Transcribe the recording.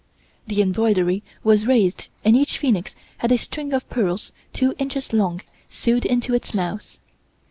The embroidery was raised and each phoenix had a string of pearls two inches long sewed into its mouth.